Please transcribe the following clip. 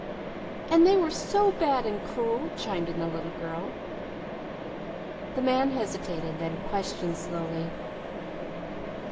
"And they were so bad and cruel," chimed in the little girl. The man hesitated, then questioned slowly.